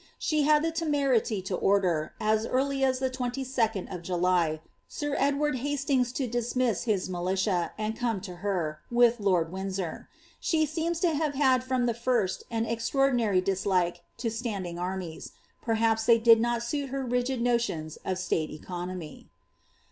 She had the temerity lo ordn^ as e«rly as ihe 22d of July, sir Edward Hastings to dismiss his militk« and come to her, with lord Windsor. She seems lo have had from tlw first an extraordinary dislike to standing armies ; perhaps Uiey did not suit her rigid notions of slate economy.